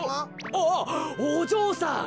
あっおじょうさん。